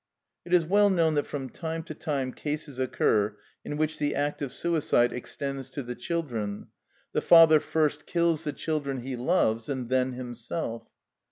It is well known that from time to time cases occur in which the act of suicide extends to the children. The father first kills the children he loves, and then himself.